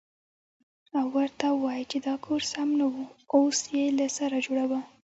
او ورته ووايې چې دا کور سم نه و اوس يې له سره جوړوه.